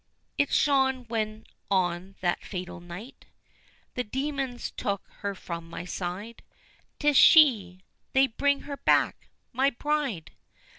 It shone when on that fatal night The dæmons took her from my side; 'Tis she! they bring her back! my bride!